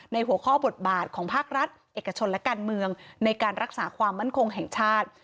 หัวข้อบทบาทของภาครัฐเอกชนและการเมืองในการรักษาความมั่นคงแห่งชาติ